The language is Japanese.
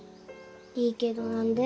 いいけど何で？